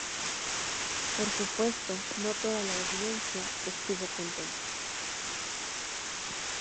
Por supuesto, no toda la audiencia estuvo contenta.